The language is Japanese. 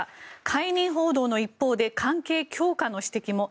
解任報道の一方で関係強化の指摘も。